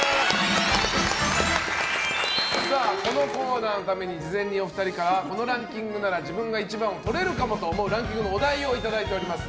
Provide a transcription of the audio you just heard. このコーナーのために事前にお二人からこのランキングなら自分が１番をとれるかもと思うランキングのお題をいただいております。